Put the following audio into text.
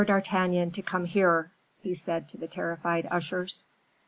d'Artagnan to come here," he said to the terrified ushers.